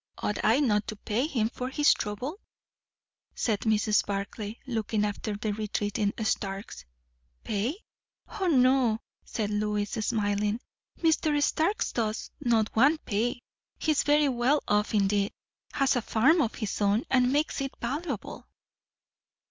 Ought I not to pay him for his trouble?" said Mrs. Barclay, looking after the retreating Starks. "Pay? O no!" said Lois, smiling. "Mr Starks does not want pay. He is very well off indeed; has a farm of his own, and makes it valuable."